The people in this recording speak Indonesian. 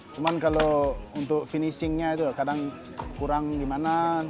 cuman kalau untuk finishingnya itu kadang kurang gimana